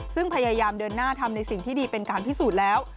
ซึ่งพยายามเดินหน้าทำในสิ่งที่ดีเป็นการพิสูจน์แล้ว